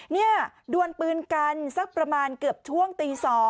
นี่ดวนปืนกันสักประมาณเกือบช่วงตี๒